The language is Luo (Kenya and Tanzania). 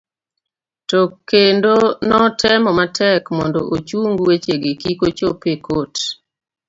to kendo notemo matek mondo ochung wechegi kik chop e kot